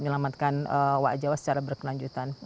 menyelamatkan owa jawa secara berkelanjutan